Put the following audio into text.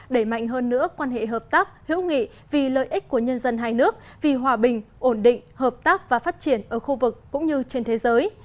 đẩy mạnh hơn nữa quan hệ hợp tác hữu nghị vì lợi ích của nhân dân hai nước vì hòa bình ổn định hợp tác và phát triển ở khu vực cũng như trên thế giới